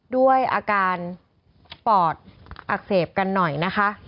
ด้วยอาการปอดอักเสบกันหน่อยนะคะ